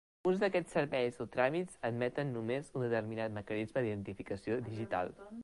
Alguns d'aquests serveis o tràmits admeten només un determinat mecanisme d'identificació digital.